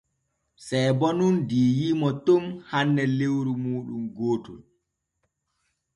Seebo nun diiyiimo ton hanne lewru muuɗum gootol.